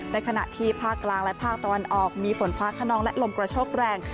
ในขณะที่ภาคกลางและภาคตะวันออกมีฝนฟ้าขนองและลมกระโชคแรง